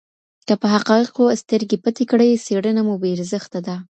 که په حقایقو سترګې پټې کړئ څېړنه مو بې ارزښته ده.